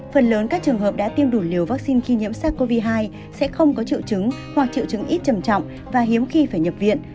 phần lớn các trường hợp đã tiêm đủ liều vaccine khi nhiễm sắc covid một mươi chín sẽ không có triệu chứng hoặc triệu chứng ít trầm trọng và hiếm khi phải nhập viện